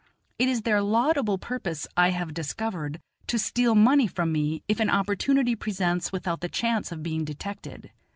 It is their laudable purpose, I have discovered, to steal money from me if an opportunity presents without the chance of being detected.